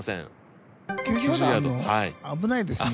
危ないですね。